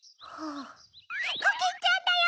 コキンちゃんだよ！